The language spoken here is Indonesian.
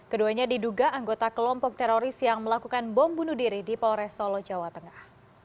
keduanya diduga anggota kelompok teroris yang melakukan bom bunuh diri di polres solo jawa tengah